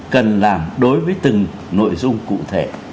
cần làm đối với từng nội dung cụ thể